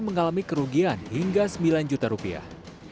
dengan total kerugian sekitar sembilan juta lima juta rupiah